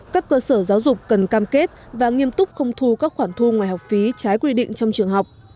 các cơ sở giáo dục cần cam kết và nghiêm túc không thu các khoản thu ngoài học phí trái quy định trong trường học